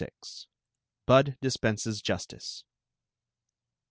BUD DISPENSES JUSTICE.